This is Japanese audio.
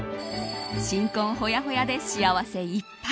新婚ほやほやで幸せいっぱい！